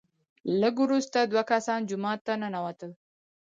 لږ وروسته دوه کسان جومات ته ننوتل،